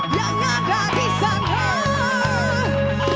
yang ada di sana